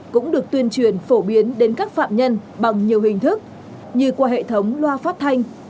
cũng được tuyên truyền phổ biến đến các phạm nhân bằng nhiều hình thức như qua hệ thống loa phát thanh